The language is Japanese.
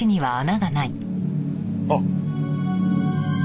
あっ！